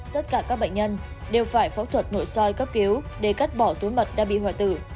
tất cả các bệnh nhân đều phải phẫu thuật nội soi cấp cứu để cắt bỏ túi mật đã bị hoại tử